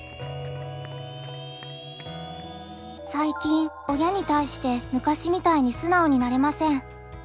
最近親に対して昔みたいに素直になれません。